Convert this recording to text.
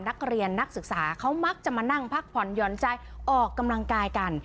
นักศึกษาเขามักจะมานั่งพักผ่อนหย่อนใจออกกำลังกายกัน